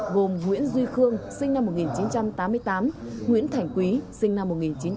gồm nguyễn duy khương sinh năm một nghìn chín trăm tám mươi tám nguyễn thảnh quý sinh năm một nghìn chín trăm chín mươi sáu